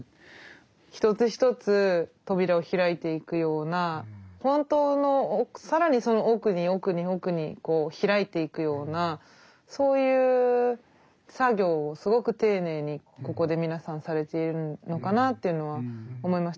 一つ一つ扉を開いていくような本当の更にその奥に奥に奥に開いていくようなそういう作業をすごく丁寧にここで皆さんされているのかなっていうのは思いました。